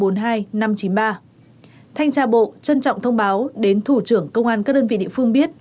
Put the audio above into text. thanh tra bộ trân trọng thông báo đến thủ trưởng công an các đơn vị địa phương biết